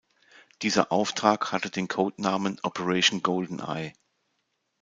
Dieser Auftrag hatte den Codenamen "Operation Goldeneye".